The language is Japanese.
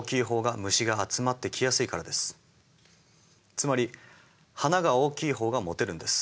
つまり花が大きい方がモテるんです。